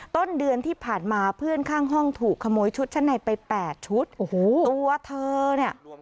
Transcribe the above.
ต้นเดือนที่ผ่านมาเพื่อนข้างห้องถูกขโมยชุดชั้นในไปแปดชุดโอ้โหตัวเธอเนี่ย